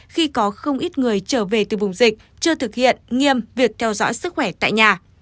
khi có không ít người trở về từ vùng dịch chưa thực hiện nghiêm việc theo dõi sức khỏe tại nhà